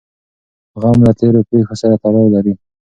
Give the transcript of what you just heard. غم له تېرو پېښو سره تړاو لري.